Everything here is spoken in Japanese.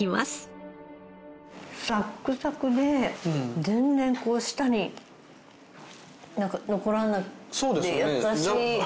サックサクで全然こう舌に残らないで優しい。